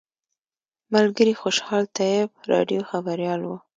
ملګري خوشحال طیب راډیو خبریال و.